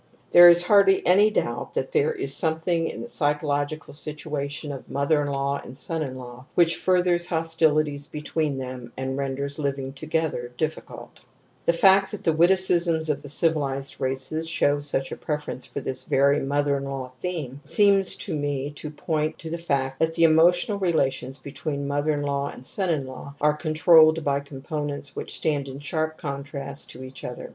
/There is hardly any doubt that there is something in Ithe psychological situation of mother in law and son in Jaw which furthers hostilities be l\tween them and renders living together difficulty The fact that the witticisms of civilized races show such a preference for this very mother in law theme seems to me to point to the fact that the emotional relations between mother in law and son in law are controlled by components which stand in sharp contrast to each other.